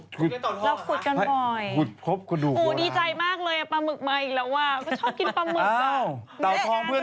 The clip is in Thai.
ผัดไทยกินเพราะอ่านข่าวไม่ได้